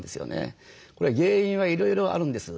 これは原因はいろいろあるんです。